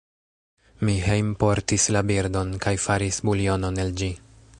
Mi hejmportis la birdon, kaj faris buljonon el ĝi.